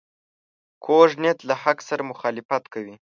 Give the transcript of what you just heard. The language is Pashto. کوږ نیت له حق سره مخالفت کوي